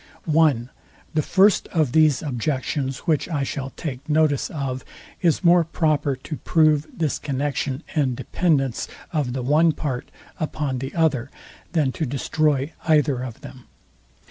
I. The first of these objections, which I shall take notice of, is more proper to prove this connexion and dependence of the one part upon the other, than to destroy either of them.